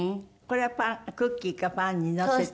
これはパンクッキーかパンにのせて？